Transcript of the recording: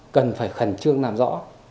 cần phải khẩn trương làm rõ